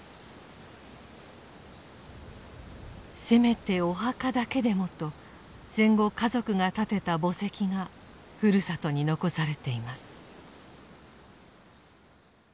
せめてお墓だけでもと戦後家族が建てた墓石がふるさとに残されています。